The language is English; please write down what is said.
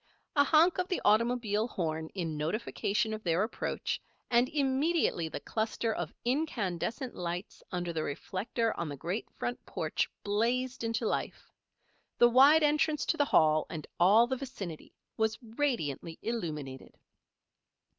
A honk of the automobile horn in notification of their approach, and immediately the cluster of incandescent lights under the reflector on the great front porch blazed into life. The wide entrance to the Hall, and all the vicinity, was radiantly illumined.